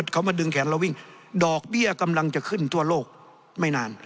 เขามาดึงแขนเราวิ่งดอกเบี้ยกำลังจะขึ้นทั่วโลกไม่นาน